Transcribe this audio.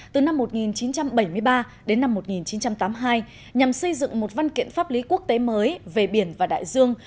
từ năm một nghìn chín trăm bảy mươi ba đến năm một nghìn chín trăm tám mươi hai nhằm xây dựng một văn kiện pháp lý quốc tế mới về biển và đại dương